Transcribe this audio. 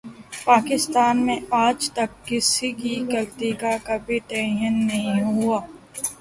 پاکستان میں آج تک کسی کی غلطی کا کبھی تعین نہیں ہوا